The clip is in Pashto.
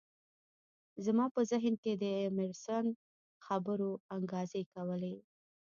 زما په ذهن کې د ایمرسن خبرو انګازې کولې